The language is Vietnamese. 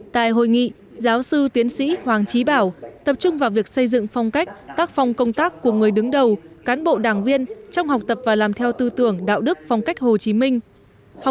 tại hội nghị giáo sư tiến sĩ hoàng trí bảo tập trung vào việc xây dựng phong cách tác phong công tác của người đứng đầu cán bộ đảng viên trong học tập và làm theo tư tưởng đạo đức phong cách hồ chí minh